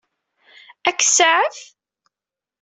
Ad k-tsaɛef?